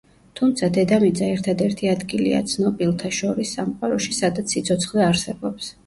თუმცა, დედამიწა ერთადერთი ადგილია ცნობილთა შორის სამყაროში, სადაც სიცოცხლე არსებობს.